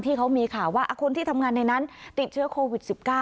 ที่เขามีข่าวว่าคนที่ทำงานในนั้นติดเชื้อโควิด๑๙